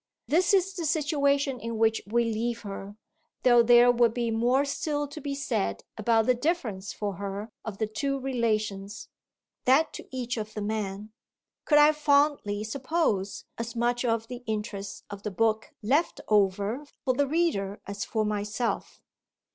This is the situation in which we leave her, though there would be more still to be said about the difference for her of the two relations that to each of the men could I fondly suppose as much of the interest of the book "left over" for the reader as for myself.